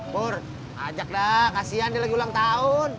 bur ajak dah kasihan dia lagi ulang tahun